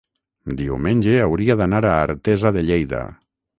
diumenge hauria d'anar a Artesa de Lleida.